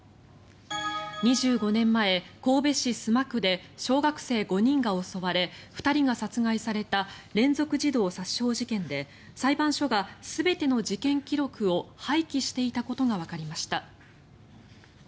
２５年前、神戸市須磨区で小学生５人が襲われ２人が殺害された連続児童殺傷事件で裁判所が全ての事件記録を廃棄していたことがわかりました。